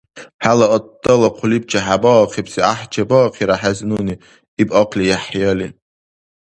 — ХӀела аттала хъулиб чехӀебаибси гӀяхӀ чебаахъира хӀези нуни, — иб ахъли ЯхӀъяли.